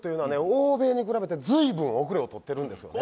欧米に比べてずいぶん遅れをとってるんですよね